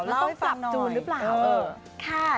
แล้วต้องปรับจูนหรือเปล่า